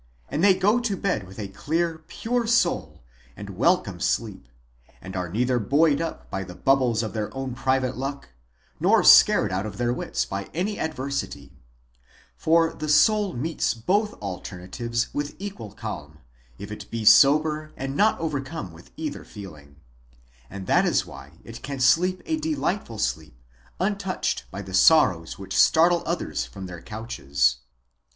and they go to bed with a clear, pure soul and welcome sleep, and are neither buoyed up by the bubbles of their own private luck, nor scared out of their wits by any adversity: For the soul meets both alternatives with equal calm, if it be sober and not overcome by either feeling; and that is why it can sleep a delightful sleep untouched by the sorrows which startle others from their couches.